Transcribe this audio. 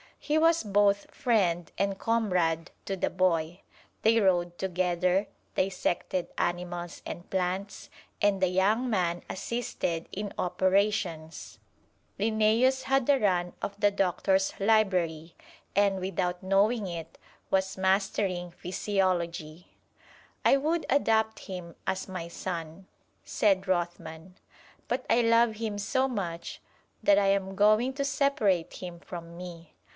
He was both friend and comrade to the boy. They rode together, dissected animals and plants, and the young man assisted in operations. Linnæus had the run of the Doctor's library, and without knowing it, was mastering physiology. "I would adopt him as my son," said Rothman; "but I love him so much that I am going to separate him from me.